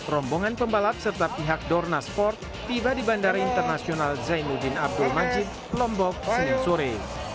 rombongan pembalap serta pihak dorna sport tiba di bandara internasional zainuddin abdul majid lombok senin sore